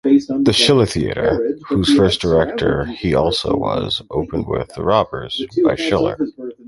The Schiller Theatre, whose first director he also was, opened with “The Robbers” by Schiller.